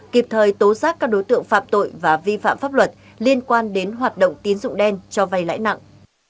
kịp thời tố giác các đối tượng phạm tội và vi phạm pháp luật liên quan đến hoạt động tín dụng đen cho vay lãi nặng